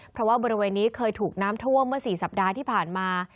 เพราะว่าบริเวณนี้เคยถูกน้ำท่วมเมื่อ๔สัปดาห์ที่ผ่านมา